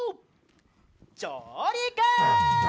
じょうりく！